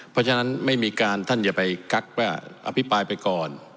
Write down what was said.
เพราะฉะนั้นไม่มีการท่านอย่าไปกักว่าอภิปรายไปก่อน